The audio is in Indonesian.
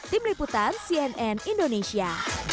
tim liputan cnn indonesia